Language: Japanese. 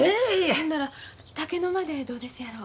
ほんなら竹の間でどうですやろ。